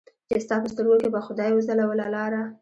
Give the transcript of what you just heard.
چې ستا په سترګو کې به خدای وځلوله لاره